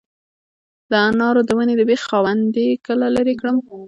د انارو د ونې د بیخ خاوندې کله لرې کړم؟